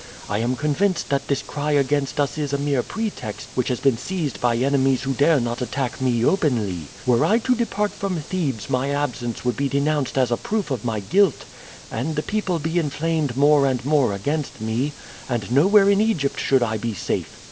I am convinced that this cry against us is a mere pretext which has been seized by enemies who dare not attack me openly. Were I to depart from Thebes my absence would be denounced as a proof of my guilt, and the people be inflamed more and more against me, and nowhere in Egypt should I be safe.